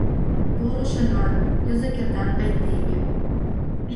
Поро чонан, юзо кердан айдеме.